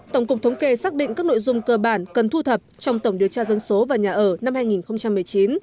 tổng cục thống kê xác định các nội dung cơ bản cần thu thập trong tổng điều tra dân số và nhà ở năm hai nghìn một mươi chín